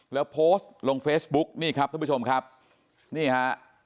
แล้วโพสต์ลงเฟซบุ๊กนี่ครับท่านผู้ชมครับนี่ฮะ